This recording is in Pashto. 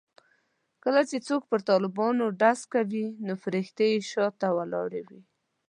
کله چې څوک پر طالبانو ډز کوي نو فرښتې یې شا ته ولاړې وي.